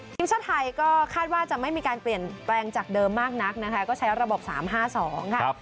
ทีมชาติไทยก็คาดว่าจะไม่มีการเปลี่ยนแปลงจากเดิมมากนักนะคะก็ใช้ระบบ๓๕๒ค่ะ